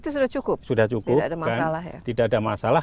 sudah cukup tidak ada masalah